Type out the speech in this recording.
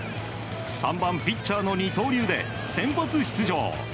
３番ピッチャーの二刀流で先発出場。